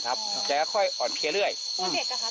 ขอบคุณทุกคน